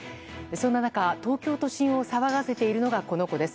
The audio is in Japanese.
そんな中、東京都心を騒がせているのがこの子です。